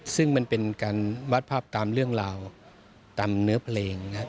ซึ่งมันเป็นการวาดภาพตามเรื่องราวตามเนื้อเพลงนะครับ